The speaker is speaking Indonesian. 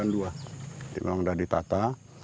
jadi memang sudah ditata